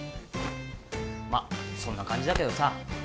まっそんな感じだけどさ